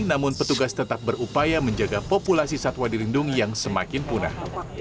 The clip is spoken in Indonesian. namun petugas tetap berupaya menjaga populasi satwa di lindung yang semakin punah